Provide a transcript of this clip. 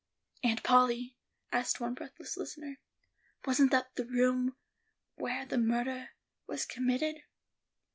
"Aunt Polly," asked one breathless listener, "wasn't that the room whar the murdah was committed?"